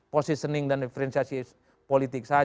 posisi dan referensi politik saja